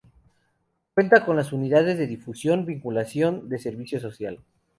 Cuenta con las unidades de Difusión, Vinculación, de Servicio Social.